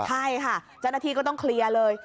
ใช่ค่ะเจ้าหน้าที่ก็ต้องเคลียร์เลย